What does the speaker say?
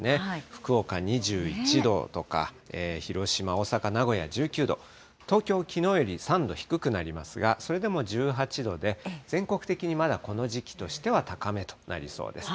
福岡２１度とか、広島、大阪、名古屋１９度、東京、きのうより３度低くなりますが、それでも１８度で、全国的にまだこの時期としては高めとなりそうです。